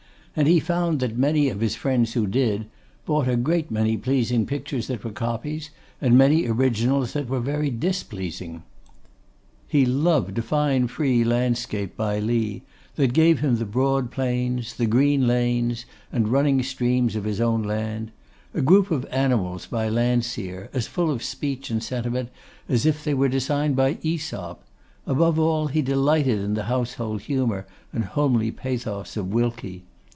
and he found that many of his friends who did, bought a great many pleasing pictures that were copies, and many originals that were very displeasing. He loved a fine free landscape by Lee, that gave him the broad plains, the green lanes, and running streams of his own land; a group of animals by Landseer, as full of speech and sentiment as if they were designed by Aesop; above all, he delighted in the household humour and homely pathos of Wilkie.